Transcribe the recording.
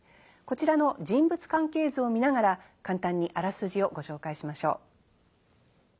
こちらの人物関係図を見ながら簡単にあらすじをご紹介しましょう。